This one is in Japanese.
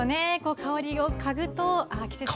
香りをかぐと、あ、季節が。